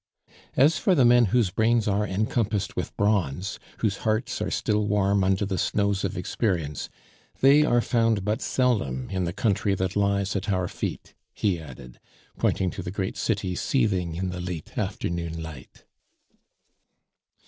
As for the men whose brains are encompassed with bronze, whose hearts are still warm under the snows of experience, they are found but seldom in the country that lies at our feet," he added, pointing to the great city seething in the late afternoon light.